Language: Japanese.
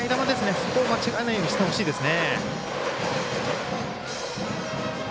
そこを間違えないようにしてほしいですね。